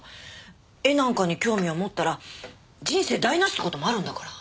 絵なんかに興味を持ったら人生台無しって事もあるんだから。